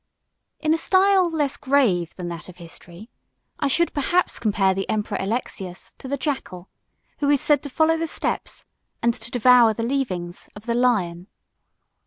In a style less grave than that of history, I should perhaps compare the emperor Alexius 1 to the jackal, who is said to follow the steps, and to devour the leavings, of the lion.